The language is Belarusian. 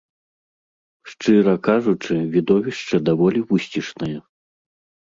Шчыра кажучы, відовішча даволі вусцішнае.